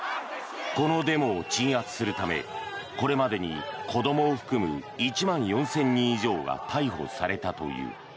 このデモを鎮圧するためこれまでに子どもを含む１万４０００人以上が逮捕されたという。